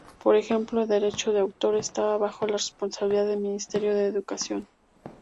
Por ejemplo, el Derecho de Autor estaba bajo la responsabilidad del Ministerio de Educación.